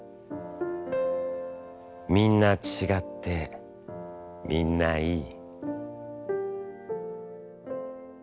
みんなちがって、みんないい」。